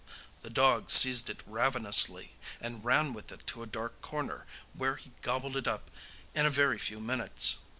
The dog seized it ravenously, and ran with it to a dark corner where he gobbled it up in a very few minutes.